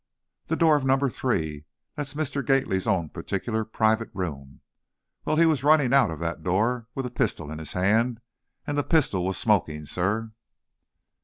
"The door of number three, that's Mr. Gately's own particular private room, well, he was running out of that door, with a pistol in his hand, and the pistol was smoking, sir!"